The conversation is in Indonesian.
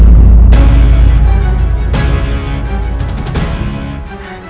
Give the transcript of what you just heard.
setelah melihat semua ini